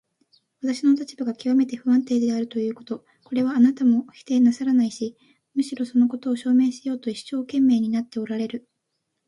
私の立場がきわめて不安定であるということ、これはあなたも否定なさらないし、むしろそのことを証明しようと一生懸命になっておられる。